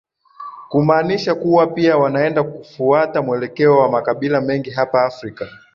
kumanisha kuwa pia wanaenda kufuata mwelekeo wa makabila mengi hapa afrika